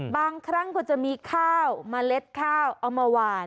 บางครั้งก็จะมีข้าวเมล็ดข้าวเอามาหวาน